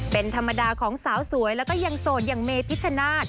เป็นธรรมดาของสาวสวยแล้วก็ยังโสดอย่างเมพิชชนาธิ์